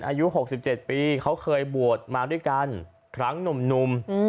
อายุ๖๗ปีเขาเคยบวชมาด้วยกันครั้งหนุ่ม